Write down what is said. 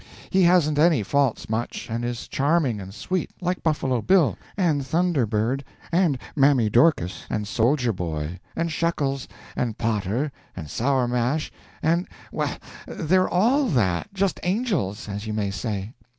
He hasn't any faults much, and is charming and sweet, like Buffalo Bill, and Thunder Bird, and Mammy Dorcas, and Soldier Boy, and Shekels, and Potter, and Sour Mash, and—well, they're all that, just angels, as you may say.